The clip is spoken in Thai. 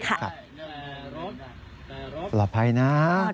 ปลอดภัยนะ